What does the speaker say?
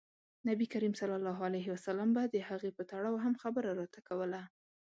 نبي کریم ص به د هغې په تړاو هم خبره راته کوله.